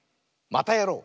「またやろう！」。